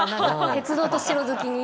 鉄道と城好きに。